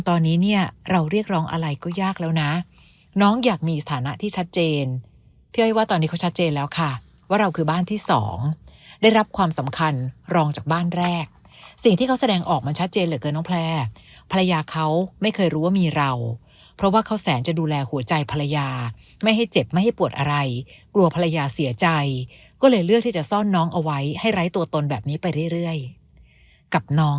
เพื่อให้ว่าตอนนี้เขาชัดเจนแล้วค่ะว่าเราคือบ้านที่สองได้รับความสำคัญรองจากบ้านแรกสิ่งที่เขาแสดงออกมันชัดเจนเหลือเกินน้องแพร่ภรรยาเขาไม่เคยรู้ว่ามีเราเพราะว่าเขาแสนจะดูแลหัวใจภรรยาไม่ให้เจ็บไม่ให้ปวดอะไรกลัวภรรยาเสียใจก็เลยเลือกที่จะซ่อนน้องเอาไว้ให้ไร้ตัวตนแบบนี้ไปเรื่อยกับน